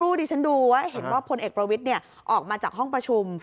ดิฉันดูว่าเห็นว่าพลเอกประวิทย์ออกมาจากห้องประชุม